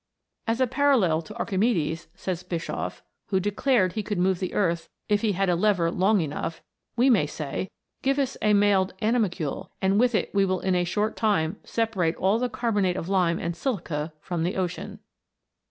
" As a parallel to Archimedes," says Bischof, " who declared he could move the earth if he had a lever long enough, we may say : Give us a mailed animalcule, and with it we will in a short time separate all the carbonate of lime and silica from the ocean